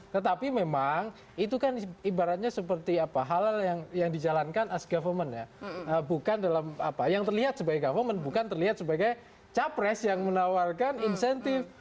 tetapi memang itu kan ibaratnya seperti apa hal hal yang dijalankan as government ya bukan dalam apa yang terlihat sebagai government bukan terlihat sebagai capres yang menawarkan insentif